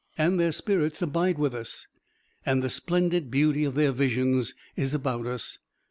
And their spirits abide with us, and the splendid beauty of their visions is about us.